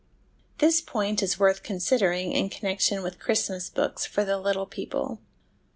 This point is worth considering in connection with Christmas books for the little people.